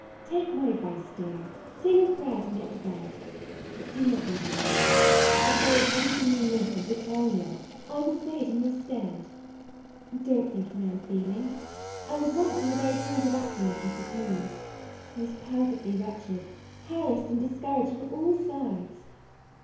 Take my advice, dear; say your prayers and get to bed. But do not be very long; if there is anything you miss and will tell me of, I will say it in your stead. Do n't think me unfeeling. I was once on the very point of acting as you propose. I was perfectly wretched : harassed and discouraged on all sides.